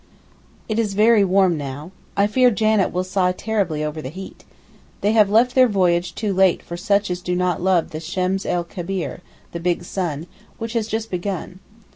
It is very warm now. I fear Janet will sigh terribly over the heat. They have left their voyage too late for such as do not love the Shems el Kebeer (the big sun), which has just begun.